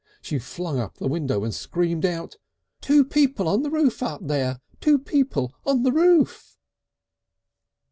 She flung up the window and screamed out: "Two people on the roof up there! Two people on the roof!"